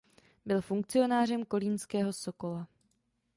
Byl funkcionářem kolínského Sokola.